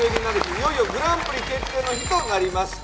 いよいよグランプリ決定の日となりました。